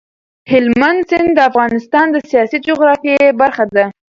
هلمند سیند د افغانستان د سیاسي جغرافیې برخه ده.